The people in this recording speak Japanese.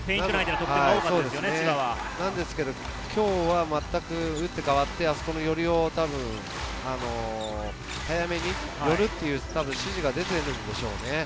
千葉は今日は全く打って変わって、あそこの寄りを早めに寄るという指示が出ているんでしょうね。